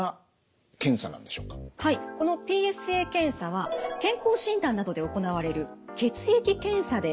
このＰＳＡ検査は健康診断などで行われる血液検査で調べることができます。